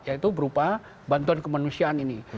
yaitu berupa bantuan kemanusiaan ini